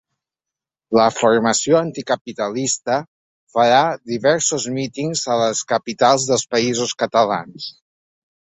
La formació anticapitalista farà diversos mítings a les capitals dels països catalans.